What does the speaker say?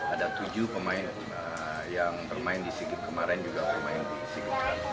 ada tujuh pemain yang bermain di sikip kemarin juga bermain di sikip kemarin